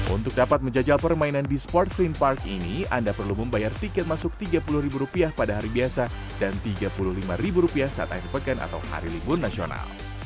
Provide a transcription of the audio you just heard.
untuk dapat menjajal permainan di sport free park ini anda perlu membayar tiket masuk rp tiga puluh pada hari biasa dan rp tiga puluh lima saat akhir pekan atau hari libur nasional